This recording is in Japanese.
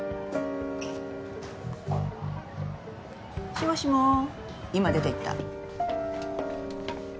しもしも今出ていった。